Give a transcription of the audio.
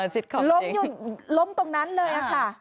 สิทธิ์คอมจริงค่ะล้มตรงนั้นเลยนะคะ